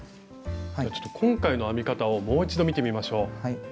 ちょっと今回の編み方をもう一度見てみましょう。